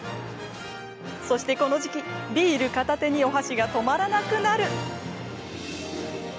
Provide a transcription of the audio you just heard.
そしてこの時期、ビール片手にお箸が止まらなくなる。